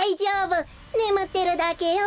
ねむってるだけよべ。